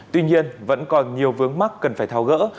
tuy nhiên vẫn còn nhiều vướng mắt cần phải tháo gỡ